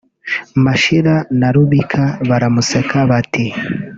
Mashira na Rubika baramuseka ; bati